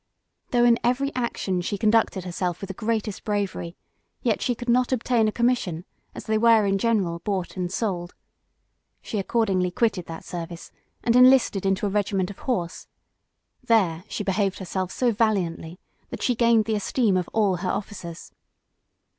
Though in every action she conducted herself with the greatest bravery, yet she could not obtain a commission, as they were in general bought and sold. She accordingly quitted that service, and enlisted into a regiment of horse; there she behaved herself so valiantly, that she gained the esteem of all her officers.